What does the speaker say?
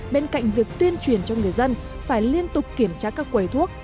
bên cạnh việc tuyên truyền cho người dân phải liên tục kiểm tra các quầy thuốc